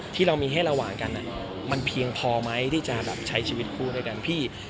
ที่เรามีให้ระหว่างกันมันเพียงพอไหมที่จะแบบใช้ชีวิตคู่ด้วยกันพี่